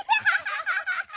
ハハハハ。